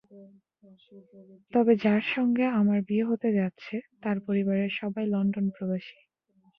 তবে যার সঙ্গে আমার বিয়ে হতে যাচ্ছে, তার পরিবারের সবাই লন্ডনপ্রবাসী।